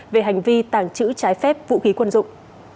về hành vi tàng trữ trái phép vũ khí quân dụng